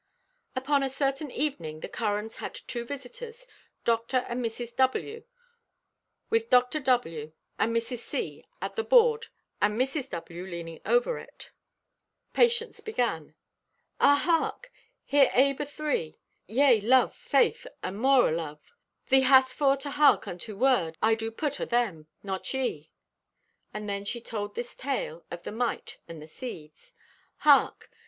Upon a certain evening the Currans had two visitors, Dr. and Mrs. W. With Dr. W. and Mrs. C. at the board and Mrs. W. leaning over it, Patience began: "Ah, hark! Here abe athree; yea, love, faith and more o' love! Thee hast for to hark unto word I do put o' them, not ye." And then she told this tale of the Mite and the Seeds: "Hark!